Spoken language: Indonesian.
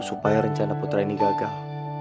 supaya rencana putra ini gagal